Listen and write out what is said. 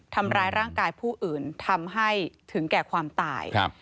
ทำร้ายร่างกายผู้อื่นทำให้ถึงแก่ความตายครับ